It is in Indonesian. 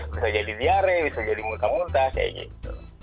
bisa jadi diare bisa jadi muntah muntah kayak gitu